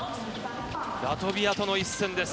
ラトビアとの一戦です。